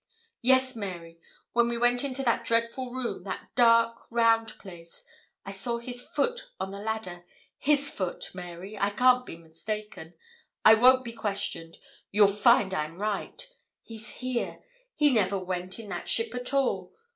'Yes, Mary. When we went into that dreadful room that dark, round place I saw his foot on the ladder. His foot, Mary I can't be mistaken. I won't be questioned. You'll find I'm right. He's here. He never went in that ship at all.